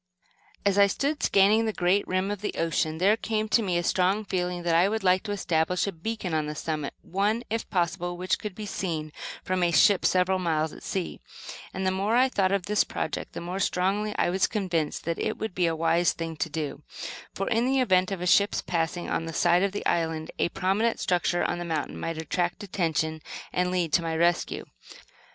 As I stood scanning the great rim of the ocean, there came to me a strong feeling that I would like to establish a beacon on the summit, one, if possible, which could be seen from a ship several miles at sea; and the more I thought of this project the more strongly was I convinced that it would be a wise thing to do; for, in the event of a ship's passing on this side of the island, a prominent structure on the mountain might attract attention and lead to my rescue.